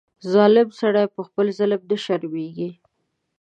ظالم سړی په خپل ظلم نه شرمېږي.